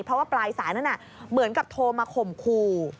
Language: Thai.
เพราะว่าปลายสายนั้นเหมือนกับโทรมาข่มขู่